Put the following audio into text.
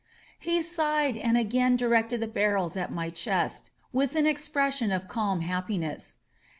He sighed and again directed the barrels at my chest, with an ex pression of calm happiness.